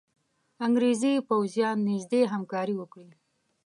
انګرېزي پوځیان نیژدې همکاري وکړي.